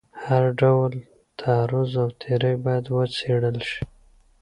هر ډول تعرض او تیری باید وڅېړل شي.